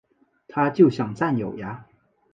他就想占有呀